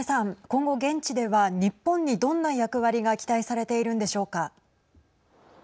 今後、現地では日本に、どんな役割が期待されているんでしょうか。